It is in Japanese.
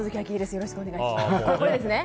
よろしくお願いします。